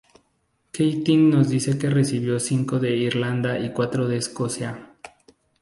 Keating nos dice que recibió cinco de Irlanda y cuatro de Escocia.